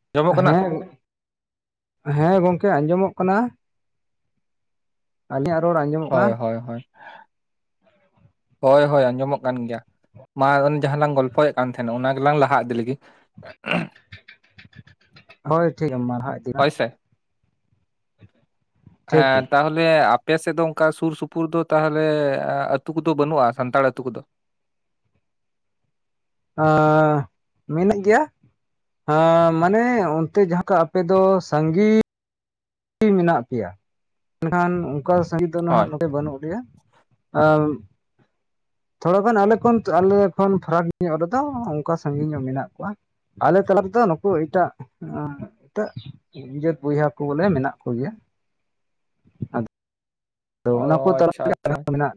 ᱟᱸᱡᱚᱢᱚᱜ ᱠᱟᱱᱟ ᱦᱮᱸ ᱦᱮᱸ ᱜᱚᱝᱠᱮ ᱟᱸᱡᱚᱢᱚᱜ ᱠᱟᱱᱟ ᱟᱹᱞᱤᱧᱟᱜ ᱨᱚᱲ ᱟᱸᱡᱚᱢᱚᱜ ᱦᱳᱭ ᱠᱟᱱᱟ ᱦᱳᱭ ᱦᱳᱭ ᱦᱳᱭ ᱦᱳᱭ ᱟᱸᱡᱚᱢᱚᱜ ᱠᱟᱱ ᱜᱮᱭᱟ ᱢᱟ ᱟᱵᱤᱱ ᱡᱟᱦᱟᱸ ᱞᱟᱝ ᱜᱚᱞᱯᱷᱚᱭᱮᱫ ᱛᱟᱦᱮᱸᱱᱟ ᱚᱱᱟ ᱜᱮᱞᱟᱝ ᱞᱟᱦᱟ ᱤᱫᱤ ᱞᱮᱹᱜᱤ [inaudible] ᱦᱳᱭ ᱴᱷᱤᱠ ᱢᱟ [unintelligible] ᱦᱳᱭ ᱥᱮ ᱴᱷᱤᱠ ᱦᱮᱸ ᱴᱷᱤᱠ ᱛᱟᱦᱚᱞᱮ ᱛᱟᱦᱚᱞᱮ ᱟᱯᱮ ᱥᱮᱫ ᱫᱚ ᱚᱱᱠᱟ ᱥᱩᱨ ᱥᱩᱯᱩᱨ ᱫᱚ ᱛᱟᱦᱚᱞᱮ ᱟᱹᱛᱩ ᱠᱚᱫᱚ ᱵᱟᱹᱱᱩᱜᱼᱟ ᱥᱟᱱᱛᱟᱲ ᱟᱹᱛᱩ ᱠᱚᱫᱚ ᱟᱻ ᱢᱮᱱᱮᱜ ᱜᱮᱭᱟ ᱦᱚᱸᱻ ᱢᱟᱱᱮ ᱚᱱᱛᱮ ᱡᱟᱦᱟᱸᱠᱚ ᱟᱯᱮ ᱫᱚ ᱥᱟᱺᱜᱤᱧ ᱴᱤ ᱢᱮᱱᱟᱜ ᱯᱮᱭᱟ ᱢᱮᱱᱠᱷᱟᱱ ᱚᱱᱠᱟ ᱥᱺᱜᱤ ᱫᱚ ᱱᱟᱜ ᱦᱳᱭ ᱱᱚᱰᱮ ᱵᱟᱹᱱᱩᱜ ᱞᱮᱭᱟ ᱛᱷᱚᱲᱟ ᱜᱟᱱ ᱟᱞᱮ ᱯᱟᱸᱧᱪ ᱟᱞᱮ ᱠᱷᱚᱱ ᱯᱷᱟᱨᱟᱠ ᱧᱚᱜ ᱨᱮᱫᱚ ᱚᱱᱠᱟ ᱥᱟᱺᱜᱤ ᱧᱚᱜ ᱢᱮᱱᱟᱜ ᱠᱚᱣᱟ ᱟᱞᱮ ᱛᱟᱞᱟ ᱨᱮᱫᱚ ᱱᱩᱠᱩ ᱮᱴᱟᱜ ᱮᱴᱟᱜ ᱡᱟᱹᱛ ᱵᱚᱭᱦᱟ ᱠᱚ ᱵᱚᱞᱮ ᱢᱮᱱᱟᱜ ᱠᱚᱣᱟ ᱠᱚ ᱜᱮ ᱛᱚ ᱚ ᱚᱱᱟ ᱠᱚ ᱛᱟᱞᱟ ᱟᱪᱪᱷᱟ ᱨᱮ ᱟᱪᱪᱷᱟ ᱟᱨᱦᱚ ᱢᱮᱱᱟᱜᱼᱟ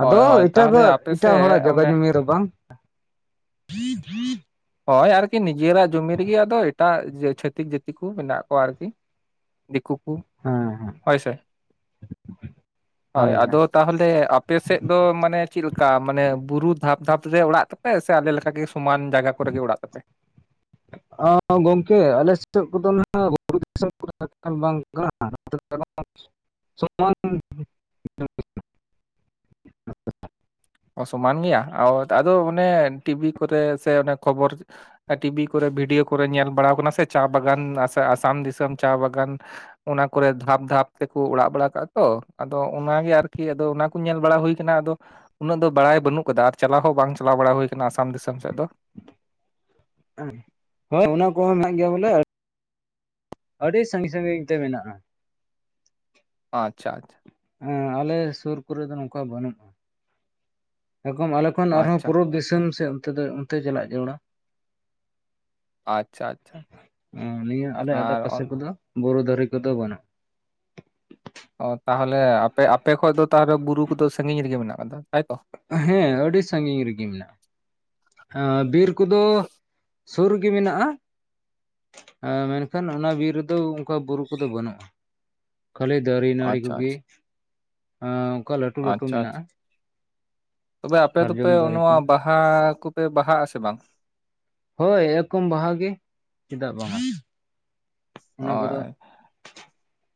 ᱦᱳᱭ ᱟᱫᱚ ᱦᱳᱭ ᱮᱴᱟᱜ ᱛᱟᱦᱚᱞᱮ ᱟᱯᱮ ᱮᱴᱟᱜ ᱦᱚᱲᱟᱜ ᱥᱮᱫ ᱡᱟᱭᱜᱟ ᱚᱱᱮ ᱡᱚᱢᱤ ᱨᱮ ᱵᱟᱝ [inaudible] ᱦᱳᱭ ᱟᱨᱠᱤ ᱱᱤᱡᱮᱨᱟᱜ ᱡᱩᱢᱤ ᱨᱮᱜᱮ ᱟᱫᱚ ᱮᱴᱟᱜ ᱪᱷᱟᱹᱛᱤᱠ ᱡᱟᱹᱛᱤ ᱠᱚ ᱢᱮᱱᱟᱜ ᱠᱚᱣᱟ ᱟᱨᱠᱤ ᱫᱤᱠᱩ ᱠᱩ ᱦᱮᱸ ᱦᱮᱸ ᱦᱳᱭ ᱥᱮ ᱦᱳᱭ ᱟᱫᱚ ᱛᱟᱦᱚᱞᱮ ᱟᱯᱮᱥᱮᱫ ᱫᱚ ᱢᱟᱱᱮ ᱪᱮᱫ ᱞᱮᱠᱟ ᱢᱟᱱᱮ ᱵᱩᱨᱩ ᱫᱷᱟᱯ ᱫᱷᱟᱯ ᱨᱮ ᱚᱲᱟᱜ ᱛᱟᱯᱮ ᱦᱮᱸ ᱥᱮ ᱟᱵᱮᱱ ᱞᱮᱠᱟ ᱜᱮ ᱥᱚᱢᱟᱱ ᱡᱟᱭᱜᱟ ᱠᱚᱨᱮᱜ ᱜᱮ ᱚᱲᱟᱜ ᱛᱟᱯᱮ ᱜᱚᱝᱠᱮ ᱟᱞᱮ ᱥᱮᱫ ᱠᱚᱫᱚ ᱱᱟᱦᱟᱸᱜ [inaudible] ᱚ ᱥᱚᱢᱟᱱ ᱜᱮᱭᱟ ᱟᱫᱚ ᱚᱱᱮ ᱴᱤᱵᱤ ᱠᱚᱨᱮ ᱥᱮ ᱚᱱᱮ ᱠᱷᱚᱵᱚᱨ ᱴᱤᱵᱤ ᱠᱚᱨᱮ ᱵᱷᱤᱰᱭᱳ ᱠᱚᱨᱮ ᱧᱮᱞ ᱵᱟᱲᱟᱣ ᱟᱠᱟᱱᱟ ᱥᱮ ᱪᱟ ᱵᱟᱜᱟᱱ ᱟᱥᱟᱢ ᱫᱤᱥᱚᱢ ᱪᱟ ᱵᱟᱜᱟᱱ ᱚᱱᱟ ᱠᱚᱨᱮ ᱫᱷᱟᱯ ᱫᱷᱟᱯ ᱛᱮᱠᱚ ᱚᱲᱟᱜ ᱵᱟᱲᱟ ᱠᱟᱜᱼᱟ ᱛᱚ ᱟᱫᱚ ᱚᱱᱟᱜᱮ ᱟᱨᱠᱤ ᱟᱫᱚ ᱚᱱᱟ ᱧᱮᱞ ᱵᱟᱲᱟ ᱦᱩᱭ ᱠᱟᱱᱟ ᱟᱫᱚ ᱩᱱᱟᱹᱜ ᱫᱚ ᱵᱟᱲᱟᱭ ᱵᱟᱹᱱᱩᱜ ᱠᱟᱫᱟ ᱟᱨ ᱪᱟᱞᱟᱣ ᱦᱚᱸ ᱵᱟᱝ ᱪᱟᱞᱟᱣ ᱵᱟᱲᱟ ᱦᱩᱭ ᱟᱠᱟᱱᱟ ᱟᱥᱟᱢ ᱫᱤᱥᱚᱢ ᱥᱮᱫ ᱫᱚ ᱚᱱᱟ ᱠᱚᱦᱚᱸ ᱢᱮᱱᱟᱜ ᱜᱮᱭᱟ ᱵᱚᱞᱮ ᱟᱹᱰᱤ ᱥᱟᱺᱜᱤᱧ ᱥᱟᱺᱜᱤᱧ ᱧᱚᱜ ᱛᱮ ᱢᱮᱱᱟᱜᱼᱟ ᱟᱪᱪᱷᱟ ᱟᱪᱪᱷᱟ ᱟᱞᱮ ᱥᱩᱨ ᱠᱚᱨᱮ ᱫᱚ ᱱᱚᱝᱠᱟ ᱵᱟᱹᱱᱩᱜᱼᱟ ᱮᱠᱫᱚᱢ ᱟᱞᱮ ᱛᱚ ᱠᱷᱚᱱ ᱟᱨᱦᱚᱸ ᱟᱪᱪᱷᱟ ᱯᱩᱨᱩᱵᱽ ᱫᱤᱥᱚᱢ ᱥᱮ ᱚᱱ ᱚᱱᱛᱮ ᱪᱟᱞᱟᱜ ᱡᱟᱹᱨᱩᱲᱟ ᱟᱪᱪᱷᱟ ᱟᱪᱪᱷᱟ ᱱᱤᱭᱟᱹ ᱟᱞᱮ ᱟᱰᱮ ᱟᱨ ᱯᱟᱥᱮ ᱚᱱ ᱠᱚᱫᱚ ᱵᱩᱨᱩ ᱫᱟᱨᱮ ᱠᱚᱫᱚ ᱵᱟᱹᱱᱩᱜᱼᱟ ᱚ ᱛᱟᱦᱚᱞᱮ ᱟᱯᱮ ᱟᱯᱮ ᱠᱷᱚᱡ ᱫᱚ ᱛᱟᱦᱚᱞᱮ ᱵᱩᱨᱩ ᱠᱚᱫᱚ ᱥᱟᱺᱜᱤᱧ ᱨᱮᱜᱮ ᱢᱮᱱᱟᱜ ᱟᱠᱟᱫᱟ ᱛᱟᱭᱛᱚ, ᱦᱮᱸ ᱟᱹᱰᱤ ᱥᱟᱺᱜᱤᱧ ᱨᱮᱜᱮ ᱢᱮᱱᱟᱜᱼᱟ, ᱦᱮᱸ ᱵᱤᱨ ᱠᱚᱫᱚ ᱥᱩᱨ ᱨᱮᱜᱮ ᱢᱮᱱᱟᱜᱼᱟ ᱦᱮᱸ ᱢᱮᱱᱠᱷᱟᱱ ᱚᱱᱟ ᱵᱤᱨ ᱨᱮᱫᱚ ᱚᱱᱠᱟ ᱵᱩᱨᱩ ᱠᱚᱫᱚ ᱵᱟᱹᱱᱩᱜᱼᱟ ᱠᱷᱟᱹᱞᱤ ᱫᱟᱨᱮ ᱱᱟᱹᱲᱤ ᱟᱪᱪᱷᱟ ᱠᱚᱜᱮ ᱟᱪᱪᱷᱟ ᱚᱱᱠᱟ ᱞᱟᱹᱴᱩ ᱞᱟᱹᱴᱩ ᱟᱪᱪᱷᱟ ᱟᱪᱪᱷᱟ ᱢᱮᱱᱟᱜᱼᱟ ᱛᱚᱵᱮ ᱟᱯᱮ ᱫᱚᱯᱮ ᱥᱟᱨᱡᱚᱢ ᱫᱟᱨᱮ ᱠᱚ ᱱᱚᱣᱟ ᱵᱟᱦᱟ ᱠᱚᱯᱮ ᱵᱟᱦᱟᱜᱼᱟ ᱥᱮ ᱵᱟᱝ? ᱦᱳᱭ ᱮᱠᱫᱚᱢ ᱵᱟᱦᱟ ᱜᱮ ᱪᱮᱫᱟᱜ ᱵᱟᱝ ᱚᱱᱟ ᱠᱚᱫᱚ ᱦᱳᱭ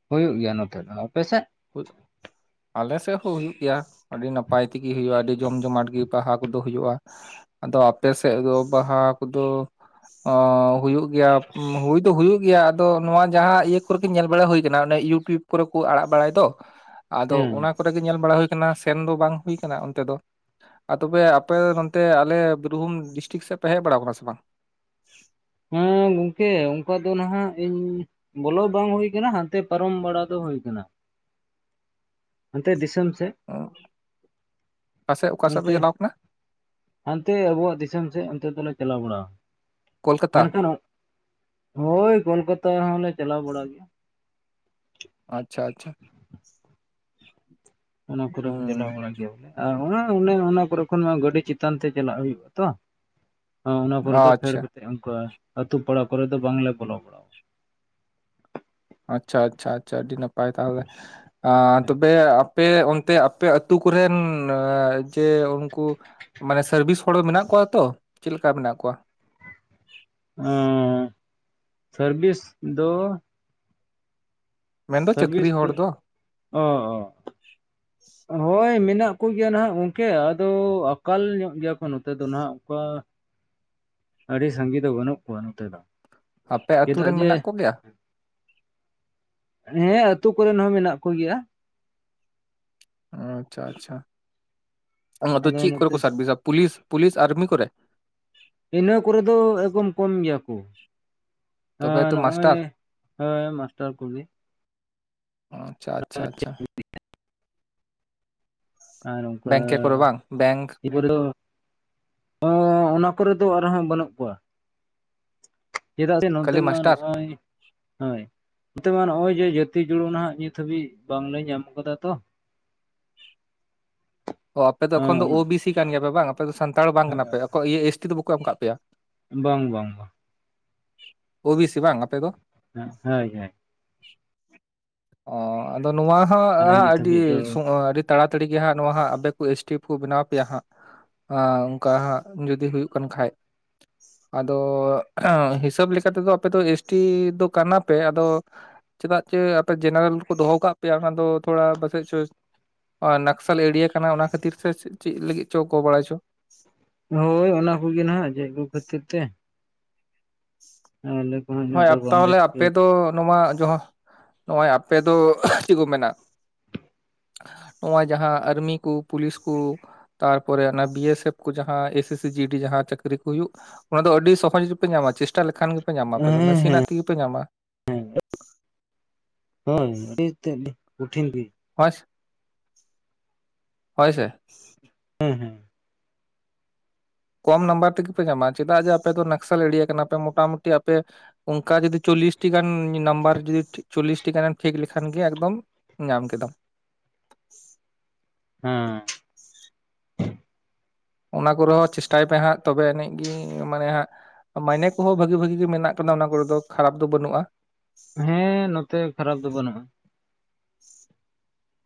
ᱦᱩᱭᱩᱜ ᱜᱮᱭᱟ ᱱᱚᱛᱮ ᱫᱚ, ᱟᱯᱮᱥᱮᱫ? ᱦ ᱟᱞᱮ ᱥᱮᱫ ᱦᱚᱸ ᱦᱩᱭᱩᱜ ᱜᱮᱭᱟ ᱟᱹᱰᱤ ᱱᱟᱯᱟᱭ ᱛᱮᱜᱮ ᱦᱩᱭᱩᱜᱼᱟ ᱟᱹᱰᱤ ᱡᱚᱢ ᱡᱚᱢᱟᱴ ᱜᱮ ᱵᱟᱦᱟ ᱠᱚᱫᱚ ᱦᱩᱭᱩᱜᱼᱟ ᱾ ᱟᱫᱚ ᱟᱯᱮ ᱥᱮᱫ ᱫᱚ ᱵᱟᱦᱟ ᱠᱚᱫᱚ ᱚ ᱦᱩᱭᱩᱜ ᱜᱮᱭᱟ ᱦᱩᱭ ᱫᱚ ᱦᱩᱭᱩᱜ ᱜᱮᱭᱟ ᱟᱫᱚ ᱱᱚᱣᱟ ᱡᱟᱦᱟᱸ ᱤᱭᱟᱹ ᱠᱚᱨᱮᱜᱤ ᱧᱮᱞ ᱵᱟᱲᱟ ᱦᱩᱭ ᱟᱠᱟᱱᱟ ᱚᱱᱮ ᱭᱩᱴ ᱴᱤᱭᱩᱯ ᱠᱚᱨᱮ ᱠᱚ ᱟᱲᱟᱜ ᱵᱟᱲᱟᱭ ᱫᱚ ᱟᱫᱚ ᱦᱮᱸ ᱚᱱᱟ ᱠᱚᱨᱮ ᱜᱮ ᱧᱮᱞ ᱵᱟᱲᱟ ᱦᱩᱭ ᱟᱠᱟᱱᱟ ᱥᱮᱱ ᱫᱚ ᱵᱟᱝ ᱦᱩᱭ ᱟᱠᱟᱱᱟ ᱚᱱᱛᱮ ᱫᱚ ᱟᱨ ᱛᱚᱵᱮ ᱟᱯᱮ ᱱᱚᱛᱮ ᱟᱞᱮ ᱵᱤᱨᱵᱷᱩᱢ ᱰᱤᱥᱴᱤᱠ ᱥᱮᱫ ᱯᱮ ᱦᱮᱡ ᱵᱟᱲᱟ ᱟᱠᱟᱱᱟ ᱥᱮ ᱵᱟᱝ ᱦᱮᱸ ᱜᱚᱝᱠᱮ ᱚᱱᱠᱟ ᱫᱚ ᱱᱟᱦᱟᱸᱜ ᱤᱧ ᱵᱚᱞᱚ ᱵᱟᱝ ᱦᱩᱭ ᱠᱟᱱᱟ ᱦᱟᱱᱛᱮ ᱯᱟᱨᱚᱢ ᱵᱟᱲᱟ ᱫᱚ ᱦᱩᱭ ᱠᱟᱱᱟ ᱦᱟᱱᱛᱮ ᱫᱤᱥᱚᱢ ᱥᱮᱫ ᱚᱠᱟ ᱥᱮᱫ ᱚᱠᱟ ᱥᱮᱫ ᱯᱮ ᱚᱱᱛᱮ ᱪᱟᱞᱟᱣ ᱟᱠᱟᱱᱟ ᱦᱟᱱᱛᱮ ᱟᱵᱚᱣᱟᱜ ᱫᱤᱥᱚᱢ ᱥᱮᱫ ᱚᱱᱛᱮ ᱫᱚᱞᱮ ᱪᱟᱞᱟᱣ ᱵᱟᱲᱟᱣᱟ ᱠᱳᱞᱠᱟᱛᱟ ᱢᱮᱱᱠᱷᱟᱱ ᱦᱳᱭ ᱠᱳᱞᱠᱟᱛᱟ ᱦᱚᱸᱞᱮ ᱪᱟᱞᱟᱣ ᱵᱟᱲᱟ ᱜᱮᱭᱟ ᱟᱪᱪᱷᱟ ᱟᱪᱪᱷᱟ ᱚᱱᱟ ᱠᱚᱨᱮ ᱦᱚᱸ ᱦᱩᱸ ᱪᱟᱞᱟᱣ ᱵᱟᱲᱟ ᱜᱮᱭᱟ ᱵᱚᱞᱮ ᱟᱨ ᱚᱱᱟ ᱚᱱᱮ ᱚᱱᱟ ᱠᱚᱨᱮ ᱠᱷᱚᱱ ᱢᱟ ᱜᱟᱹᱰᱤ ᱪᱮᱛᱟᱱ ᱛᱮ ᱪᱟᱞᱟᱜ ᱦᱩᱭᱩᱜᱼᱟ ᱛᱚ ᱚᱱᱟ ᱠᱚᱨᱮ ᱫᱚ ᱯᱷᱮᱰ ᱟᱪᱪᱷᱟ ᱠᱟᱛᱮᱜ ᱚᱱᱠᱟ ᱟᱛᱳ ᱯᱟᱲᱟ ᱠᱚᱨᱮ ᱫᱚ ᱵᱟᱝᱞᱮ ᱵᱚᱞᱚ ᱵᱟᱲᱟᱣ ᱟᱪᱪᱷᱟ ᱟᱪᱪᱷᱟ ᱟᱪᱪᱷᱟ ᱟᱹᱰᱤ ᱱᱟᱯᱟᱭ ᱛᱟᱦᱚᱞᱮ ᱛᱚᱵᱮ ᱯᱮ ᱚᱱᱛᱮ ᱟᱯᱮ ᱟᱛᱩ ᱠᱚᱨᱮᱱ ᱡᱮ ᱩᱱᱠᱩ ᱢᱟᱱᱮ ᱥᱟᱨᱵᱷᱤᱥ ᱦᱚᱲ ᱢᱮᱱᱟᱜ ᱠᱚᱣᱟ ᱛᱚ ᱪᱮᱫ ᱞᱮᱠᱟ ᱢᱮᱱᱟᱜ ᱠᱚᱣᱟ ᱚ ᱥᱟᱨᱵᱷᱤᱥ ᱫᱚ ᱢᱮᱱᱫᱚ ᱥᱟᱨᱵᱷᱤᱥ ᱪᱟᱹᱠᱨᱤ ᱦᱚᱲ ᱫᱚ ᱼ ᱚ ᱦᱳᱭ ᱢᱮᱱᱟᱜ ᱠᱚ ᱜᱮᱭᱟ ᱱᱟᱦᱟᱸᱜ ᱜᱚᱝᱠᱮ ᱟᱫᱚ ᱟᱠᱟᱞ ᱧᱚᱜ ᱜᱮᱭᱟ ᱠᱚ ᱱᱚᱛᱮ ᱫᱚ ᱱᱟᱸᱜ ᱚᱱᱠᱟ ᱟᱹᱰᱤ ᱥᱟᱸᱜᱮ ᱫᱚ ᱵᱟᱹᱱᱩᱜ ᱠᱚᱣᱟ ᱱᱚᱛᱮ ᱫᱚ ᱟᱯᱮ ᱟᱛᱩ ᱪᱮᱫᱟᱜ ᱨᱮᱱ ᱡᱮ ᱢᱮᱱᱟᱜ ᱠᱚ ᱜᱮᱭᱟ? ᱦᱮᱸ ᱟᱹᱛᱩ ᱠᱚᱨᱮᱱ ᱦᱚᱸ ᱢᱮᱱᱟᱜ ᱠᱚ ᱜᱮᱭᱟ᱾ ᱟᱪᱪᱷᱟ ᱟᱪᱪᱷᱟ ᱟᱫᱚ ᱪᱤᱜ ᱠᱚᱨᱮ ᱠᱚ ᱥᱟᱨᱵᱤᱥᱟ ᱯᱩᱞᱤᱥᱼᱼ ᱯᱩᱞᱤᱥ ᱟᱨᱢᱤ ᱠᱚᱨᱮ? ᱤᱱᱟᱹ ᱠᱚᱨᱮ ᱫᱚ ᱮᱠᱜᱚᱢ ᱠᱚᱢ ᱜᱮᱭᱟ ᱠᱚ ᱛᱚᱵᱮ ᱛᱚ ᱚᱻᱱᱚᱜ-ᱚᱭ ᱢᱟᱥᱴᱟᱨ ᱦᱮ ᱢᱟᱥᱴᱟᱨ ᱠᱩᱜᱤ ᱟᱪᱪᱷᱟ ᱟᱪᱪᱷᱟ ᱟᱪᱪᱷᱟ᱾ ᱢᱤᱫᱴᱮᱡᱼᱼ [unintelligible] ᱟᱨ ᱱᱚᱠᱟ ᱵᱮᱝᱠᱮ ᱠᱚᱨᱮ ᱵᱟᱝ ᱵᱮᱝᱠ ᱪᱤᱵᱼᱼ ᱵᱩ ᱨᱮᱱ [unintelligible] ᱫᱚ ᱚᱻ ᱚᱱᱟ ᱠᱚᱨᱮ ᱫᱚ ᱟᱨᱦᱚᱸ ᱵᱟᱹᱱᱩᱜ ᱠᱚᱣᱟ᱾ ᱪᱮᱫᱟᱜ ᱥᱮ ᱱᱚᱛᱮ ᱠᱷᱟᱹᱞᱤ ᱢᱟ ᱢᱟᱥᱴᱟᱨ ᱱᱚᱜ-ᱚᱭ ᱦᱚᱭ ᱱᱚᱛᱮ ᱢᱟ ᱱᱚᱜ-ᱚᱭ ᱡᱮ ᱡᱟᱹᱛᱤ ᱡᱩᱲᱩ ᱱᱟᱸᱜ ᱱᱤᱛ ᱦᱟᱹᱵᱤᱡ ᱵᱟᱝ ᱞᱮ ᱧᱟᱢ ᱠᱟᱫᱟ ᱛᱚ᱾ ᱚ ᱟᱯᱮ ᱫᱚ ᱮᱠᱷᱚᱱ ᱫᱚ ᱳ ᱵᱤ ᱥᱤ ᱠᱟᱱ ᱜᱮᱭᱟ ᱯᱮ ᱵᱟᱝ ᱟᱯᱮ ᱫᱚ ᱥᱟᱱᱛᱟᱲ ᱵᱟᱝ ᱠᱟᱱᱟ ᱯᱮ ᱠᱚ ᱤᱭᱟᱹ ᱮᱥᱴᱤ ᱫᱚ ᱵᱟᱠᱚ ᱮᱢ ᱠᱟᱜ ᱯᱮᱭᱟ? ᱵᱟᱝ ᱵᱟᱝ ᱵᱟᱝ᱾ ᱳ ᱵᱤ ᱥᱤ ᱵᱟᱝ ᱟᱯᱮ ᱫᱚ? ᱦᱮᱸ ᱦᱚᱭ ᱦᱚᱭ᱾ ᱚᱻ ᱟᱫᱚ ᱱᱚᱣᱟ ᱦᱚᱸ ᱟᱞᱮ ᱱᱤᱛ ᱟᱹᱰᱤ ᱦᱟᱹᱵᱤᱡ ᱫᱚ ᱥᱚᱸᱜ ᱟᱹᱰᱤ ᱛᱟᱲᱟ ᱛᱟᱹᱲᱤ ᱜᱮ ᱦᱟᱸᱜ ᱱᱚᱣᱟ ᱦᱟᱸᱜᱼᱼ ᱟᱯᱮ ᱠᱩ ᱮᱥ ᱴᱤ ᱠᱩ ᱵᱮᱱᱟᱣ ᱯᱮᱭᱟ ᱦᱟᱸᱜ ᱟᱻ ᱚᱱᱠᱟ ᱦᱟᱸᱜ ᱡᱚᱫᱤ ᱦᱩᱭᱩᱜ ᱠᱟᱱ ᱠᱷᱟᱡ᱾ ᱟᱫᱚ ᱦᱤᱥᱟᱹᱵᱽ ᱞᱮᱠᱟ ᱛᱮᱫᱚ ᱟᱯᱮ ᱫᱚ ᱮᱥ ᱴᱤ ᱫᱚ ᱠᱟᱱᱟ ᱯᱮ ᱟᱫᱚᱼᱼ ᱪᱮᱫᱟᱜ ᱪᱮ ᱟᱯᱮ ᱡᱮᱱᱟᱨᱮᱞ ᱠᱚ ᱫᱚᱦᱚ ᱠᱟᱜ ᱯᱮᱭᱟ ᱚᱱᱟ ᱫᱚ ᱛᱷᱚᱲᱟ ᱵᱟᱥᱮᱡ ᱪᱚᱼᱼ ᱱᱚᱶᱟ ᱱᱟᱠᱥᱟᱞᱤ ᱮᱲᱤᱭᱟ ᱠᱟᱱᱟ ᱚᱱᱟ ᱠᱷᱟᱹᱛᱤᱨ ᱛᱮ ᱥᱮ ᱪᱤᱜ ᱞᱟᱹᱜᱤᱫ ᱪᱚ ᱚᱠᱚᱵᱟᱲᱟᱭ ᱪᱚ᱾ ᱦᱳᱭ ᱚᱱᱟ ᱠᱩ ᱜᱤ ᱱᱟᱜ ᱛᱮᱫ ᱠᱩ ᱠᱷᱟᱹᱛᱤᱨ ᱛᱮ᱾ ᱟᱞᱮ ᱠᱚᱦᱚᱸ ᱤᱱᱟᱹᱜ ᱦᱚᱭ ᱫᱚ ᱵᱟᱝᱞᱮ ᱛᱟᱦᱚᱞᱮ ᱟᱯᱮ ᱴᱷᱤᱠᱟᱹᱣ ᱫᱚ ᱱᱚᱣᱟ ᱡᱚᱦᱟᱸᱼᱼ ᱱᱚᱜ-ᱚᱭ ᱟᱯᱮ ᱫᱚ ᱪᱮᱜ ᱠᱚ ᱢᱮᱱᱟᱼᱼ ᱱᱚᱜ-ᱚᱭ ᱡᱟᱦᱟᱸ ᱟᱹᱨᱢᱤ ᱠᱩ ᱯᱩᱞᱤᱥ ᱠᱩᱼᱼ ᱛᱟᱨᱯᱚᱨᱮ ᱚᱱᱟ ᱵᱤᱭᱮ ᱥᱮᱯᱷ ᱠᱤ ᱡᱟᱦᱟᱸ ᱮᱥᱮᱥ ᱥᱤ ᱡᱤ ᱰᱤ ᱡᱟᱦᱟᱸ ᱪᱟᱹᱠᱨᱤ ᱠᱩ ᱦᱩᱭᱩᱜᱼᱼ ᱚᱱᱟ ᱫᱚ ᱟᱹᱰᱤ ᱥᱚᱦᱚᱡᱽ ᱨᱤᱯᱮ ᱧᱟᱢᱟ ᱪᱮᱥᱴᱟ ᱞᱮᱠᱷᱟᱱ ᱜᱮᱯᱮ ᱧᱟᱢᱟ ᱟᱯᱮ ᱫᱚ ᱦᱮᱸ ᱱᱟᱹᱥᱤ ᱱᱟᱜ ᱦᱮᱸ ᱛᱤᱜᱤ ᱯᱮ ᱧᱟᱢᱟ᱾ ᱦᱮᱸ [inaudible] ᱦᱚᱭ ᱟᱹᱰᱤ ᱛᱮᱜ ᱟᱹᱰᱤ ᱠᱩᱴᱷᱤᱱ ᱜᱤ᱾᱾ ᱦᱚᱭ ᱥᱮ ᱦᱚᱭ ᱥᱮ ᱾ ᱦᱮᱸ ᱦᱩᱸ᱾ ᱠᱚᱢ ᱱᱟᱢᱵᱟᱨ ᱛᱤᱜᱤ ᱯᱮ ᱧᱟᱢᱟ ᱪᱮᱫᱟᱜ ᱡᱮ ᱟᱯᱮ ᱫᱚ ᱱᱟᱠᱥᱚᱲ ᱮᱲᱤᱭᱟ ᱠᱟᱱᱟ ᱯᱮ ᱢᱚᱴᱟᱼᱢᱩᱴᱤ ᱟᱯᱮᱼᱼ ᱚᱝᱠᱟ ᱡᱩᱫᱤ ᱪᱚᱞᱞᱤᱥᱼᱼ ᱴᱤ ᱜᱟᱱ ᱧᱮ ᱱᱟᱢᱵᱟᱨ ᱡᱩᱫᱤ ᱴᱷᱤ ᱪᱚᱞᱞᱤᱥ ᱴᱤ ᱜᱟᱱᱮᱢ ᱯᱷᱮᱠ ᱞᱮᱠᱷᱟᱱ ᱜᱮ ᱮᱠᱫᱚᱢ ᱧᱟᱢ ᱠᱮᱫᱟᱢ᱾ ᱦᱮᱸ᱾ ᱚᱱᱟ ᱠᱚᱨᱮ ᱦᱚᱸ ᱪᱮᱥᱴᱟᱭ ᱯᱮ ᱦᱟᱸᱜ ᱛᱚᱵᱮ ᱟᱱᱤᱡ ᱜᱤ ᱢᱟᱱᱮ ᱦᱟᱸᱜᱼᱼ ᱢᱟᱭᱱᱮ ᱠᱩᱦᱚᱸ ᱵᱷᱟᱹᱜᱤ ᱵᱷᱟᱹᱜᱤ ᱜᱮ ᱢᱮᱱᱟᱜ ᱟᱠᱟᱫᱟ ᱚᱱᱟ ᱠᱚᱨᱮ ᱫᱚ ᱠᱷᱟᱨᱟᱯ ᱫᱚ ᱵᱟᱹᱱᱩᱜ-ᱟ᱾ ᱦᱮᱸ ᱱᱚᱛᱮ ᱠᱷᱟᱨᱟᱯ ᱫᱚ ᱵᱟᱹᱱᱩᱜ-ᱟ᱾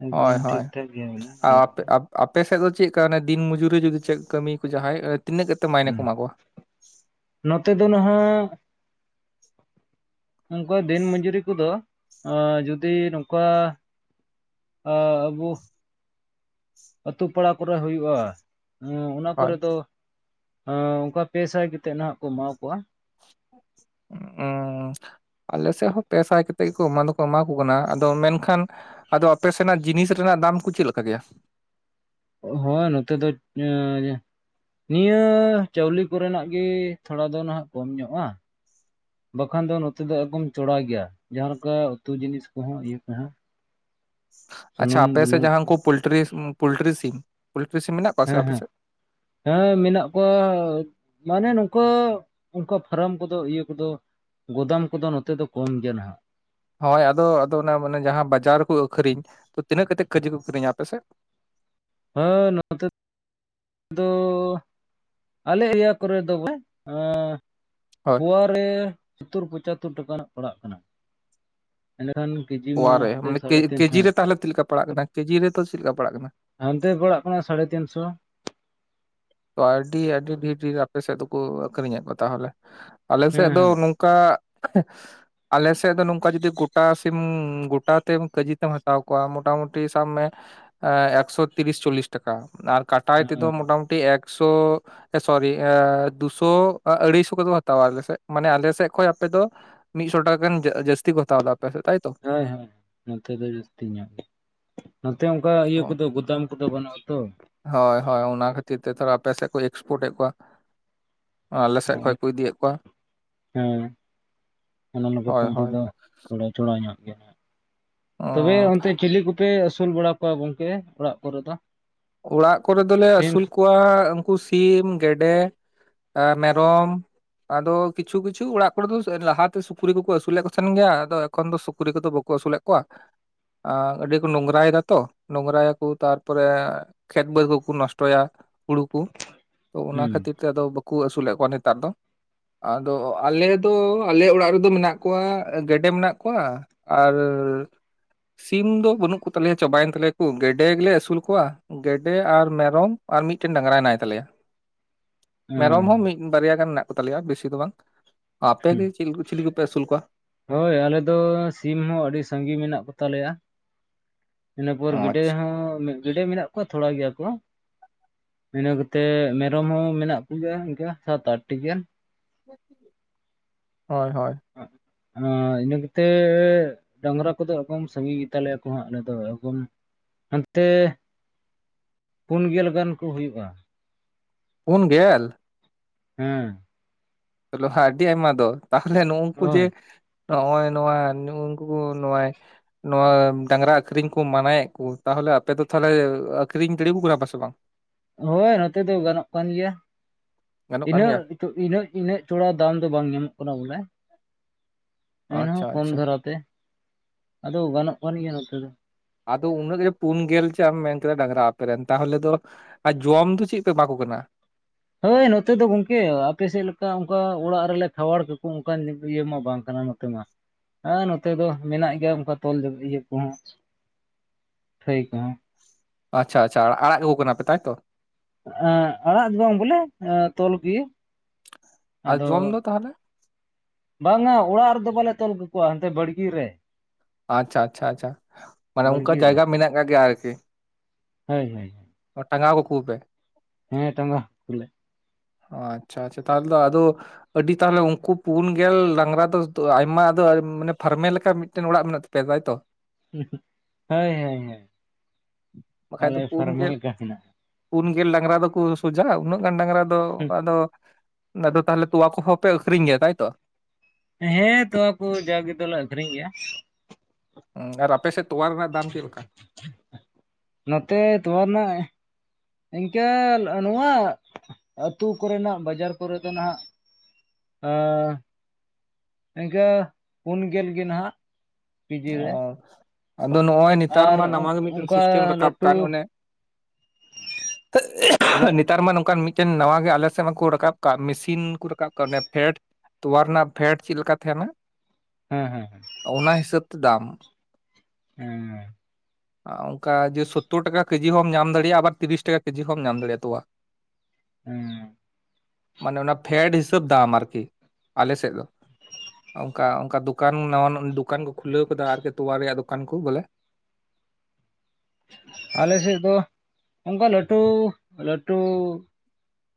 ᱮᱠᱫᱚᱢ ᱦᱳᱭ ᱦᱳᱭ ᱴᱷᱤᱠ‌ ᱛᱮ ᱜᱮ ᱦᱩᱭᱩᱜ-ᱟ ᱚᱱᱟ ᱟ- ᱟᱯᱮ ᱠᱩᱫᱚ᱾ ᱟᱯ- ᱟᱯᱮ ᱥᱮᱜ ᱫᱚ ᱪᱮᱜ ᱠᱟ ᱚᱱᱮ ᱫᱤᱱ ᱢᱚᱡᱩᱨᱤ ᱡᱩᱫᱤ ᱪᱮᱜ ᱠᱟᱹᱢᱤ ᱠᱩ ᱡᱟᱦᱟᱸᱭ ᱛᱤᱱᱟᱹᱜ ᱠᱟᱛᱮᱜ ᱢᱟᱭᱱᱮ ᱠᱚ ᱦᱮᱸ ᱮᱢᱟ ᱠᱚᱣᱟ? ᱱᱚᱛᱮ ᱫᱚ ᱱᱟᱦᱟᱸᱜᱼᱼ ᱚᱱᱠᱩᱭ ᱫᱤᱱ ᱢᱚᱸᱡᱩᱨᱤ ᱠᱩᱫᱚ ᱚᱸᱻ ᱡᱩᱫᱤ ᱱᱩᱝᱠᱟᱼ ᱟᱻᱟᱹᱵᱩ ᱟᱹᱛᱩ ᱯᱟᱲᱟ ᱠᱚᱨᱮ ᱦᱩᱭᱩᱜ-ᱟ᱾ ᱚᱸᱻ ᱚᱱᱟ ᱦᱳᱭ ᱠᱚᱨᱮ ᱫᱚ ᱚᱸᱻ ᱚᱱᱠᱟ ᱯᱮ ᱥᱟᱭ ᱠᱮᱛᱮᱜ ᱱᱟᱦᱟᱸᱜ ᱠᱩ ᱮᱢᱟᱣ ᱠᱚᱣᱟ᱾ ᱚᱸᱻ ᱟᱞᱮ ᱥᱮᱜ ᱦᱚᱸ ᱯᱮ ᱥᱟᱭ ᱠᱟᱛᱮᱜ ᱜᱤᱠᱩ ᱮᱢᱟ ᱫᱚᱠᱚ ᱮᱢᱟ ᱠᱩ ᱠᱟᱱᱟ ᱟᱫᱚ ᱢᱮᱱᱠᱷᱟᱱᱼᱼ ᱟᱫᱚ ᱟᱯᱮ ᱥᱮᱱᱟᱜ ᱡᱤᱱᱤᱥ ᱨᱮᱱᱟᱜ ᱫᱟᱢ ᱠᱚ ᱪᱤᱜ ᱞᱮᱠᱟ ᱜᱮᱭᱟ? ᱦᱚ ᱱᱚᱛᱮ ᱫᱚ ᱚᱸᱭ ᱡᱮᱼᱼ ᱱᱤᱭᱟᱹ ᱪᱟᱹᱣᱞᱤ ᱠᱚᱨᱮ ᱱᱟᱜ ᱜᱤ ᱛᱷᱚᱲᱟ ᱫᱚ ᱱᱟᱦᱟᱸᱜ ᱠᱚᱢ ᱧᱚᱜ-ᱟ᱾ ᱵᱟᱠᱷᱟᱱ ᱫᱚ ᱱᱚᱛᱮ ᱫᱚ ᱮᱠᱫᱚᱢ ᱪᱚᱲᱟ ᱜᱮᱭᱟ ᱡᱟᱦᱟᱸ ᱞᱮᱠᱟ ᱩᱛᱩ ᱡᱤᱱᱤᱥ ᱠᱩᱦᱚᱸ ᱤᱭᱟᱹ ᱠᱚᱦᱚᱸ᱾ ᱟᱪᱪᱷᱟ ᱥᱩᱱᱩᱢ ᱟᱯᱮ ᱥᱮᱜ ᱵᱩᱞᱩᱝ ᱡᱟᱦᱟᱸ ᱠᱚ ᱩᱱᱠᱩ ᱯᱩᱞᱴᱨᱤ ᱩᱢ ᱯᱩᱞᱴᱨᱤ ᱥᱤᱢ ᱯᱩᱞᱴᱨᱤ ᱥᱤᱢ ᱢᱤᱱᱟᱜᱼᱼ ᱦᱮᱸ ᱦᱮᱸ ᱦᱮᱸ ᱢᱮᱱᱟᱜ ᱠᱚᱣᱟ ᱚᱻ ᱢᱟᱱᱮ ᱱᱚᱝᱠᱟ ᱩᱝᱠᱟ ᱯᱷᱟᱨᱟᱢ ᱠᱚᱫᱚ ᱤᱭᱟᱹ ᱠᱚᱫᱚ᱾ ᱜᱚᱫᱟᱢ ᱠᱚᱫᱚ ᱱᱚᱛᱮ ᱫᱚ ᱠᱚᱢ ᱜᱮᱭᱟ ᱱᱟᱦᱟᱜ᱾ ᱦᱳᱭ ᱟᱫᱚ ᱟᱫᱚ ᱚᱱᱟ ᱢᱟᱱᱮ ᱡᱟᱦᱟᱸ ᱵᱟᱡᱟᱨ ᱨᱮᱠᱚ ᱟᱹᱠᱷᱨᱤᱧ, ᱛᱚ ᱛᱤᱱᱟᱹᱜ ᱠᱟᱛᱮᱫ ᱠᱟᱹᱡᱤ ᱠᱚ ᱟᱹᱠᱷᱤᱨᱤᱧᱟ ᱟᱯᱮᱥᱮᱜ? ᱦᱮ ᱱᱚᱣᱟ [unintelligible] ᱫᱚ ᱟᱞᱮ ᱤᱭᱟᱹ ᱠᱚᱨᱮ ᱫᱚ ᱵᱚᱞᱮ ᱮᱸ ᱦᱳᱭ ᱯᱳᱣᱟ ᱨᱮ ᱥᱳᱛᱛᱳᱨ ᱯᱚᱪᱟᱛᱳᱨ ᱴᱟᱠᱟ ᱱᱟᱦᱟᱜ ᱯᱟᱲᱟᱜ ᱠᱟᱱᱟ᱾ ᱮᱸᱰᱮᱠᱷᱟᱱ ᱠᱮᱡᱤ ᱢᱟ ᱯᱚᱣᱟ ᱨᱮ ᱦᱟᱱᱛᱮ ᱢᱟᱱᱮ ᱥᱟᱲᱮ ᱠᱮ- ᱛᱤᱱ ᱥᱚ ᱠᱮᱡᱤ ᱨᱮ ᱛᱟᱦᱚᱞᱮ ᱪᱮᱫ ᱞᱮᱠᱟ ᱯᱟᱲᱟᱜ ᱠᱟᱱᱟ ᱠᱮᱡᱤ ᱨᱮ ᱛᱚ ᱪᱮᱫ ᱞᱮᱠᱟ ᱯᱟᱲᱟᱜ ᱠᱟᱱᱟ? ᱦᱟᱱᱛᱮ ᱯᱟᱲᱟᱜ ᱠᱟᱱᱟ ᱥᱟᱲᱮ ᱛᱤᱱ ᱥᱚ᱾ ᱛᱚ ᱟᱹᱰᱤ ᱟᱹᱰᱤ ᱰᱷᱤᱨ ᱰᱷᱤᱨ ᱟᱯᱮ ᱥᱮᱫ ᱫᱩᱠᱩ ᱟᱹᱠᱷᱨᱤ ᱧᱮᱫ ᱠᱚᱣᱟ ᱛᱟᱦᱚᱞᱮ ᱟᱞᱮ ᱦᱮᱸ ᱥᱮᱫ ᱫᱚ ᱦᱮᱸ ᱱᱚᱝ ᱠᱟᱜ ᱟᱞᱮ ᱥᱮᱫ ᱫᱚ ᱱᱚᱝᱠᱟ ᱡᱩᱫᱤ ᱜᱚᱴᱟ ᱥᱤᱢ ᱜᱚᱴᱟ ᱛᱮᱢ ᱠᱮᱡᱤ ᱛᱮᱢ ᱦᱟᱛᱟᱣ ᱠᱚᱣᱟ ᱢᱚᱴᱟᱢᱩᱴᱤ ᱥᱟᱵᱽ ᱢᱮ, ᱮ ᱮᱠᱥᱚ ᱛᱤᱨᱤᱥ ᱪᱚᱞᱤᱥ ᱴᱟᱠᱟ ᱟᱨ ᱠᱟᱴᱟᱭ ᱛᱮᱫᱚ ᱦᱮᱸ ᱢᱚᱴᱟᱢᱩᱴᱤ ᱮᱠᱥᱚ ᱥᱚᱨᱤ ᱮ ᱫᱩᱥᱚ ᱟᱹᱲᱟᱹᱭᱥᱚ ᱜᱮᱠᱚ ᱦᱟᱛᱟᱣᱟ ᱟᱞᱮ ᱥᱮᱜ ᱢᱟᱱᱮ ᱟᱞᱮ ᱥᱮᱜ ᱠᱷᱚᱡ ᱟᱯᱮ ᱫᱚ, ᱢᱤᱫᱥᱚ ᱴᱟᱠᱟ ᱜᱟᱱ ᱡᱟ ᱡᱟᱹᱥᱛᱤ ᱠᱚ ᱦᱟᱛᱟᱣ ᱫᱟ ᱟᱯᱮ ᱥᱮᱫ ᱛᱟᱭᱛᱚ? ᱦᱳᱭ ᱦᱳᱭ ᱱᱚᱛᱮ ᱫᱚ ᱡᱟᱹᱥᱛᱤ ᱧᱚᱜ ᱜᱮ᱾ ᱱᱚᱛᱮ ᱚᱝᱠᱟ ᱤᱭᱟᱹ ᱚ ᱠᱚᱫᱚ ᱜᱩᱫᱟᱢ ᱠᱚᱫᱚ ᱵᱟᱹᱱᱩᱜᱼᱟ ᱛᱚ᱾ ᱦᱳᱭ ᱦᱳᱭ ᱚᱱᱟ ᱠᱷᱟᱹᱛᱤᱨ ᱛᱮ ᱛᱷᱚᱲᱟ ᱟᱯᱮ ᱥᱮᱫ ᱠᱚ ᱮᱠᱥᱯᱳᱨᱴ ᱮᱫ ᱠᱚᱣᱟ᱾ ᱟᱞᱮ ᱥᱮᱜ ᱠᱷᱚᱡ ᱠᱚ ᱤᱫᱤᱭᱮᱫ ᱠᱚᱣᱟ, ᱦᱮᱸ ᱚᱱᱟ ᱞᱟᱹᱜᱤᱫ ᱦᱳᱭ ᱚᱱᱛᱮ ᱦᱳᱭ᱾ ᱫᱚ ᱛᱷᱚᱲᱟ ᱪᱷᱚᱲᱟ ᱧᱚᱜ ᱜᱮ ᱚ ᱛᱚᱵᱮ ᱚᱱᱛᱮ ᱪᱤᱞᱤ ᱠᱚ ᱯᱮ ᱟᱹᱥᱩᱞ ᱵᱟᱲᱟ ᱠᱚᱣᱟ ᱜᱚᱝᱠᱮ ᱚᱲᱟᱜ ᱠᱚᱨᱮ ᱫᱚ? ᱚᱲᱟᱜ ᱠᱚᱨᱮ ᱫᱚᱞᱮ ᱥᱤᱢ ᱟᱹᱥᱩᱞ ᱠᱚᱣᱟ ᱩᱝᱠᱩ ᱥᱤᱢ, ᱜᱮᱰᱮ, ᱟ ᱢᱮᱨᱚᱢ, ᱟᱫᱚ ᱠᱤᱪᱷᱩ ᱠᱤᱪᱷᱩ ᱚᱲᱟᱜ ᱠᱚᱨᱮ ᱫᱚ ᱞᱟᱦᱟᱛᱮ ᱥᱩᱠᱨᱤ ᱠᱚᱠᱚ ᱟᱹᱥᱩᱞᱮᱫ ᱠᱚ ᱛᱟᱦᱮᱱ ᱜᱮᱭᱟ ᱟᱫᱚ ᱮᱠᱷᱚᱱ ᱫᱚ ᱥᱩᱠᱨᱤ ᱠᱚᱫᱚ ᱵᱟᱹᱠᱩ ᱟᱹᱥᱩᱞᱮᱫ ᱠᱚᱣᱟ ᱟᱸ ᱟᱹᱰᱤ ᱠᱚ ᱱᱚᱝᱨᱟᱭ ᱫᱟ ᱛᱚ ᱱᱚᱝᱨᱟᱭᱟᱠᱚ ᱛᱟᱨᱯᱚᱨᱮ ᱠᱷᱮᱛ ᱵᱟᱹᱫᱽ ᱠᱚᱠᱚ ᱱᱚᱥᱴᱚᱭᱟ ᱦᱩᱲᱩ ᱠᱩ ᱛᱚ ᱚᱱᱟ ᱦᱩᱸ ᱠᱷᱟᱹᱛᱤᱨ ᱛᱮᱫᱚ ᱵᱟᱹᱠᱩ ᱟᱹᱥᱩᱞᱮᱫ ᱠᱚᱣᱟ ᱱᱮᱛᱟᱨ ᱫᱚ᱾ ᱟᱫᱚ ᱟᱞᱮ ᱫᱚ ᱟᱞᱮ ᱚᱲᱟᱜ ᱨᱮᱫᱚ ᱢᱮᱱᱟᱜ ᱠᱚᱣᱟ ᱜᱮᱰᱮ ᱢᱮᱱᱟᱜ ᱠᱚᱣᱟ, ᱟᱨ ᱥᱤᱢ ᱫᱚ ᱵᱟᱹᱱᱩᱜ ᱠᱩᱛᱟᱞᱮᱭᱟ ᱪᱟᱵᱟᱭᱮᱱ ᱛᱟᱞᱮᱭᱟᱠᱚ ᱜᱮᱰᱮ ᱜᱮᱞᱮ ᱟᱹᱥᱩᱞ ᱠᱚᱣᱟ᱾ ᱜᱮᱰᱮ ᱟᱨ ᱢᱮᱨᱚᱢ ᱟᱨ ᱢᱤᱫᱴᱮᱱ ᱰᱟᱝᱨᱟ ᱦᱮᱱᱟᱭ ᱛᱟᱞᱮᱭᱟ᱾ ᱦᱮᱸ ᱢᱮᱨᱚᱢ ᱦᱚᱸ ᱢᱤᱫ ᱵᱟᱨᱭᱟ ᱜᱟᱱ ᱢᱮᱱᱟᱜ ᱠᱚᱛᱟᱞᱮᱭᱟ ᱵᱮᱥᱤ ᱫᱚ ᱵᱟᱝ᱾ ᱟᱯᱮ ᱦᱩᱸ ᱜᱮ ᱪᱤᱞᱤ ᱠᱚ ᱪᱤᱞᱤ ᱠᱚᱯᱮ ᱟᱹᱥᱩᱞ ᱠᱚᱣᱟ? ᱦᱳᱭ ᱟᱞᱮ ᱫᱚ ᱥᱤᱢ ᱦᱚᱸ ᱟᱹᱰᱤ ᱥᱟᱺᱜᱤ ᱢᱮᱱᱟᱜ ᱠᱚᱛᱟᱞᱮᱭᱟ᱾ ᱤᱱᱟᱹᱯᱚᱨ ᱜᱮᱰᱮ ᱟᱪᱪᱷᱟ ᱦᱚᱸ ᱜᱮᱰᱮ ᱢᱮᱱᱟᱜ ᱠᱚᱣᱟ ᱛᱷᱚᱲᱟ ᱜᱮᱭᱟ ᱠᱚ, ᱤᱱᱟᱹ ᱠᱟᱛᱮᱜ ᱢᱮᱨᱚᱢ ᱦᱚᱸ ᱢᱮᱱᱟᱜ ᱠᱚᱜᱮᱭᱟ ᱤᱱᱠᱟ ᱥᱟᱛ ᱟᱴ ᱴᱤ ᱜᱟᱱ᱾ ᱦᱳᱭ ᱦᱳᱭ ᱟ ᱤᱱᱟᱹ ᱠᱟᱛᱮᱜ ᱰᱟᱝᱨᱟ ᱠᱚᱫᱚ ᱮᱠᱚᱢ ᱥᱟᱸᱜᱤ ᱜᱮᱛᱟᱞᱮᱭᱟ ᱠᱚ ᱦᱟᱸᱜ, ᱟᱞᱮ ᱫᱚ ᱮᱠᱚᱢ ᱦᱟᱱᱛᱮ ᱯᱩᱱ ᱜᱮᱞ ᱜᱟᱱ ᱠᱩ ᱦᱩᱭᱩᱜᱼᱟ ᱾ ᱯᱩᱱ ᱜᱮᱞ! ᱦᱮᱸ ᱞᱚᱦᱟ ᱟᱹᱰᱤ ᱟᱭᱢᱟ ᱫᱚ? ᱛᱟᱦᱚᱞᱮ ᱱᱩᱝᱠᱩ ᱡᱮ ᱦᱳᱭ ᱱᱚᱜᱼᱚᱭ ᱱᱚᱣᱟ ᱱᱩᱝᱠᱩ ᱱᱚᱜᱼᱟᱭ ᱱᱚᱣᱟ ᱰᱟᱝᱨᱟ ᱟᱹᱠᱷᱨᱤᱧ ᱠᱩ ᱢᱟᱱᱟᱭᱮᱫ ᱠᱩ ᱛᱟᱦᱚᱞᱮ ᱟᱯᱮ ᱫᱚ ᱛᱟᱦᱚᱞᱮ ᱟᱹᱠᱷᱨᱤᱧ ᱫᱟᱹᱲᱤᱣ ᱠᱩ ᱠᱟᱱᱟ ᱯᱮ ᱥᱮ ᱵᱟᱝ? ᱦᱳᱭ ᱱᱚᱛᱮ ᱫᱚ ᱜᱟᱱᱚᱜ ᱠᱟᱱ ᱜᱮᱭᱟ ᱜᱟᱱᱚᱜ ᱠᱟᱱ ᱤᱱᱟᱹᱜ ᱜᱮᱭᱟ ᱛᱚ ᱤᱱᱟᱹᱜ ᱤᱱᱟᱹᱜ ᱛᱷᱚᱲᱟ ᱫᱟᱢ ᱫᱚ ᱵᱟᱝ ᱧᱟᱢᱚᱜ ᱠᱟᱱᱟ ᱵᱚᱞᱮ ᱮᱱᱦᱚᱸ ᱟᱪᱪᱷᱟ ᱠᱚᱢ ᱟᱪᱪᱷᱟ ᱫᱷᱟᱨᱟ ᱛᱮ ᱟᱫᱚ ᱜᱟᱱᱚᱜ ᱠᱟᱱ ᱜᱮᱭᱟ ᱱᱚᱛᱮ ᱫᱚ ᱟᱫᱚ ᱩᱱᱟᱹᱜ ᱜᱮ ᱯᱩᱱ ᱜᱮᱞ ᱪᱮᱫ ᱮᱢ ᱢᱮᱱ ᱠᱮᱫᱟ ᱰᱟᱝᱨᱟ ᱟᱯᱮᱨᱮ ᱨᱮᱱ ᱛᱟᱦᱚᱞᱮ ᱫᱚ ᱟᱨ ᱡᱚᱢ ᱫᱚ ᱪᱮᱜ ᱯᱮ ᱮᱢᱟ ᱠᱚ ᱠᱟᱱᱟ? ᱦᱚᱜᱼᱚᱭ ᱱᱚᱛᱮ ᱫᱚ ᱜᱚᱝᱠᱮ ᱟᱯᱮ ᱥᱮᱫ ᱞᱮᱠᱟ ᱚᱱᱠᱟ ᱚᱲᱟᱜ ᱨᱮᱜᱮ ᱞᱮ ᱠᱷᱟᱣᱟᱲ ᱠᱟᱠᱚ ᱚᱱᱠᱟ ᱤᱭᱟᱹ ᱢᱟ ᱵᱟᱝ ᱠᱟᱱᱟ ᱩᱱᱟᱹᱜ ᱱ ᱢᱟ ᱦᱮᱸ ᱱᱚᱜᱼᱚᱭ ᱱᱚᱛᱮ ᱫᱚ ᱢᱮᱱᱟᱜ ᱜᱮᱭᱟ ᱚᱱᱠᱟ ᱛᱚᱞ ᱫᱚ ᱤᱭᱟᱹ ᱠᱚᱦᱚᱸ ᱴᱟᱹᱭ ᱠᱚᱦᱚᱸ ᱟᱪᱷᱟ ᱟᱪᱷᱟ ᱟᱼᱟᱲᱟᱜ ᱠᱟᱜᱩ ᱠᱟᱱᱟ ᱯᱮ ᱛᱟᱭᱛᱚ, ᱮᱸᱜ ᱟᱲᱟᱜ ᱫᱚ ᱵᱟᱝ ᱵᱚᱞᱮ ᱛᱚᱞ ᱜᱮ ᱟᱨ ᱟᱫᱚ ᱡᱚᱢ ᱫᱚ ᱛᱟᱦᱚᱞᱮ ᱵᱟᱝᱟ ᱚᱲᱟᱜ ᱨᱮᱫᱚ ᱵᱟᱞᱮ ᱛᱚᱞ ᱠᱟᱠᱚᱣᱟ ᱦᱟᱸᱛᱮ ᱵᱟᱲᱜᱮ ᱨᱮ ᱟᱪᱪᱷᱟ ᱟᱪᱪᱷᱟ ᱟᱪᱪᱷᱟ ᱢᱟᱱᱮ ᱚᱱᱠᱟ ᱵᱟᱲᱜᱮ ᱨᱮ ᱡᱟᱭᱜᱟ ᱢᱮᱱᱟᱜ ᱟᱠᱟᱜ ᱜᱮᱭᱟ ᱟᱨᱠᱤ [unintelligible] ᱴᱟᱸᱜᱟᱣ ᱠᱟᱠᱳᱣᱟᱯᱮ ᱦᱮᱸ ᱴᱟᱸᱜᱟ ᱠᱩᱞᱮ ᱚ ᱟᱪᱪᱷᱟ ᱟᱪᱪᱷᱟ ᱛᱟᱦᱞ ᱫᱚ ᱟᱫᱚ ᱟᱹᱰᱤ ᱛᱟᱦᱞᱮ ᱩᱱᱠᱩ ᱯᱩᱱ ᱜᱮᱞᱰᱟᱝᱨᱟ ᱫᱚ ᱛᱚ ᱟᱭᱢᱟ ᱟᱫᱚ ᱢᱟᱱᱮ ᱯᱷᱟᱨᱢᱮ ᱞᱮᱠᱟ ᱢᱤ ᱚᱲᱟᱜ ᱢᱮᱱᱟᱜ ᱛᱟᱯᱮᱭᱟ ᱛᱟᱭᱛᱚ ᱦᱳᱭ ᱦᱳᱭ ᱦᱳᱭ ᱵᱟᱠᱷᱟᱡ ᱫᱚ ᱟᱞᱮ ᱯᱩᱱ ᱜᱮᱞ ᱯᱷᱟᱨᱢᱮᱞᱮᱠᱟ ᱦᱮᱱᱟᱜᱼᱟ᱾ ᱯᱩᱱ ᱜᱮᱞ ᱰᱟᱝᱨᱟ ᱫᱚᱠᱚ ᱥᱚᱡᱷᱟᱼᱟ, ᱩᱱᱟᱹᱜ ᱜᱟᱱ ᱰᱟᱝᱨᱟ ᱫᱚ ᱟᱫᱚ ᱟᱫᱚ ᱛᱟᱦᱞᱮ ᱛᱚᱣᱟ ᱠᱚᱦᱚᱯᱮ ᱟᱹᱠᱷᱨᱤᱧ ᱜᱮᱭᱟ ᱛᱟᱭ ᱛᱚ, ᱦᱮᱸ ᱛᱚᱣᱟ ᱠᱚ ᱡᱟᱜᱮ ᱫᱚᱞᱮ ᱟᱠᱷᱨᱤᱧ ᱜᱮᱭᱟ᱾ ᱩᱸ ᱟᱨ ᱟᱯᱮ ᱥᱮᱫ ᱛᱚᱣᱟᱟᱨ ᱨᱮᱱᱟᱜ ᱫᱟᱢ ᱪᱮᱫ ᱞᱮᱠᱟ ᱱᱚᱛᱮ ᱛᱚᱣᱟᱨ ᱨᱮᱱᱟᱜ ᱤᱱᱠᱟᱹ ᱱᱚᱣᱟ ᱟᱹᱛᱩ ᱠᱚᱨᱮᱱᱟᱜ ᱵᱟᱡᱟᱨ ᱠᱚᱨᱮ ᱫᱚ ᱱᱟᱦᱟᱜ, ᱟ ᱤᱱᱠᱟᱹ ᱯᱩᱱ ᱜᱮᱞ ᱜᱮ ᱱᱟᱦᱜ ᱵᱤᱡᱤ ᱚ ᱨᱮ ᱟᱫᱚ ᱱᱚᱜᱼᱚᱭ ᱱᱮᱛᱟᱨ ᱟᱨ ᱢᱟ ᱱᱟᱣᱟ ᱢᱤᱫᱴᱟᱝ ᱚᱱᱠᱟ ᱥᱤᱥᱴᱮᱢ ᱨᱟᱠᱟᱵ ᱞᱟᱹᱴᱩ ᱠᱟᱱ ᱚᱱᱮ ᱱᱮᱛᱟᱨ ᱢᱟ ᱱᱚᱝᱠᱟᱱ ᱢᱤᱫ ᱪᱮᱱ ᱱᱟᱣᱟ ᱜᱮ ᱟᱞᱮ ᱥᱮᱫ ᱢᱟᱠᱚ ᱨᱟᱠᱟᱵ ᱠᱟᱱ ᱢᱮᱥᱤᱱ ᱠᱚ ᱨᱟᱠᱟᱵ ᱠᱟᱱ ᱯᱷᱮᱰ ᱛᱚᱣᱟ ᱨᱮᱱᱟᱜ ᱯᱷᱮᱰ ᱪᱮᱜ ᱞᱮᱠᱟ ᱛᱟᱦᱮᱱᱟ? ᱦᱮᱸ ᱦᱮᱸ ᱦᱮᱸ ᱚᱱᱟ ᱦᱤᱥᱟᱹᱵ ᱛᱮ ᱫᱟᱢ ᱩᱸᱻ ᱚᱱᱠᱟ ᱡᱮ ᱥᱳᱛᱛᱩᱨ ᱴᱟᱠᱟ ᱠᱮᱡᱤ ᱦᱚᱸᱚᱢ ᱧᱟᱢ ᱫᱟᱲᱮᱭᱟᱜᱼᱟ, ᱟᱵᱟᱨ ᱛᱤᱨᱤᱥ ᱴᱟᱠᱟ ᱠᱮᱡᱤ ᱦᱚᱢ ᱧᱟᱢ ᱫᱟᱲᱮᱭᱟᱜᱼᱟ ᱛᱳᱣᱟ᱾ ᱩᱸ ᱢᱟᱱᱮ ᱚᱱᱟ ᱯᱷᱮᱰ ᱦᱤᱥᱟᱹᱵ ᱫᱟᱢ ᱟᱨᱠᱤ ᱟᱞᱮ ᱥᱮᱜ ᱫᱚ᱾ ᱚᱱᱠᱟ ᱚᱱᱠᱟ ᱫᱚᱠᱟᱱ ᱱᱟᱣᱟ ᱱ ᱫᱚᱠᱟᱱ ᱠᱚ ᱠᱷᱩᱞᱟᱹᱣ ᱟᱠᱟᱫᱟ ᱟᱨᱠᱤ ᱛᱚᱣᱟ ᱨᱮᱭᱟᱜ ᱫᱚᱠᱟᱱ ᱠᱚ? ᱵᱚᱞᱮ ᱟᱞᱮ ᱥᱮᱫ ᱫᱚ ᱚᱱᱠᱟ ᱞᱟᱹᱴᱩ ᱞᱟᱹᱴᱩ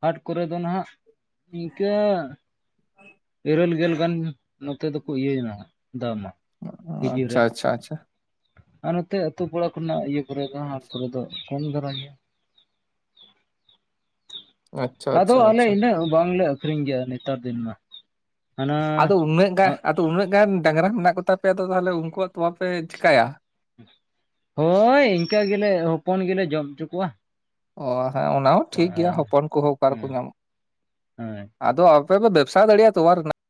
ᱦᱟᱴ ᱠᱚᱨᱮ ᱫᱚ ᱱᱟᱦᱜ ᱤᱱᱠᱟᱹ ᱦ ᱤᱨᱟᱹᱞ ᱜᱮᱞ ᱜᱟᱱ ᱱᱚᱛᱮ ᱫᱚᱠᱚ ᱤᱭᱟᱹᱭᱱᱟ ᱫᱟᱢᱟ ᱠᱮᱡᱤ ᱨᱮ ᱟᱪᱪᱷᱟ ᱟᱪᱪᱷᱟ ᱟᱪᱪᱷᱟ ᱟᱨ ᱱᱚᱛᱮ ᱟᱹᱛᱩ ᱯᱟᱲᱟ ᱠᱚᱨᱮᱱᱟᱜ ᱤᱭᱟᱹ ᱠᱚᱨᱮ ᱫᱚ ᱦᱟᱴ ᱠᱚᱨᱮ ᱫᱚ ᱠᱚᱢ ᱫᱷᱟᱨᱟ ᱜᱮᱭᱟ᱾ ᱟᱪᱪᱷᱟ ᱟᱫᱚ ᱟᱪᱪᱷᱟ ᱟᱞᱮ ᱟᱪᱪᱷᱟ ᱤᱱᱟᱹᱜ ᱵᱟᱝᱞᱮ ᱟᱹᱠᱷᱨᱤᱧ ᱜᱮᱭᱟ ᱱᱮᱛᱟᱨ ᱫᱤᱱ ᱢᱟ ᱦᱟᱱᱟ ᱟᱫᱚ ᱩᱱᱟᱹᱜ ᱜᱟᱱ ᱟᱜ ᱟᱫᱚ ᱩᱱᱟᱹᱜ ᱜᱟᱱ ᱰᱟᱝᱨᱟ ᱢᱮᱱᱟᱜ ᱠᱚᱛᱟᱯᱮᱭᱟ, ᱛᱚ ᱛᱟᱦᱞᱮ ᱩᱱᱠᱩᱣᱟᱜ ᱛᱚᱣᱟ ᱯᱮ ᱪᱮᱠᱟᱭᱟ? ᱦᱳᱭ ᱤᱱᱠᱟᱹ ᱜᱮᱞᱮ ᱦᱚᱯᱚᱱ ᱜᱮᱞᱮ ᱡᱚᱢ ᱪᱚ ᱠᱚᱣᱟ᱾ ᱚᱻ ᱦᱮᱸ ᱚᱱᱟ ᱦᱚᱸ ᱴᱷᱤᱠ ᱜᱮᱭᱟ ᱦᱚᱯᱚᱱ ᱠᱚᱦᱚ ᱚᱠᱟ ᱨᱮᱠᱚ ᱦᱮᱸ ᱧᱟᱢᱟ? ᱦᱮᱸ ᱟᱫᱚ ᱵᱮᱵᱥᱟ ᱫᱟᱲᱮᱭᱟᱜ ᱛᱚᱣᱟ ᱨᱮᱱᱟᱜ,